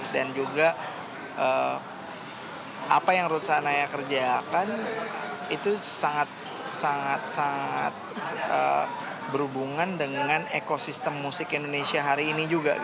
dan juga apa yang ruth sahanaya kerjakan itu sangat berhubungan dengan ekosistem musik indonesia hari ini juga